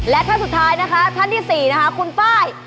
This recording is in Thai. และท่านสุดท้ายนะคะท่านที่๔นะคะคุณป้าย